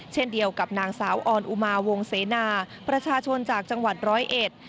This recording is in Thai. เช่นเดียวกับนางสาวออนอุมาวงเสนาประชาชนจากจังหวัดร้อยเอ็ด